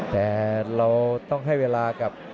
แต่เราต้องให้เวลากับ